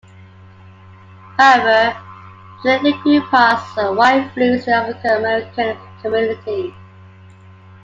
However, today the group has a wide influence in the African American community.